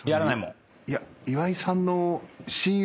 岩井さんの親友？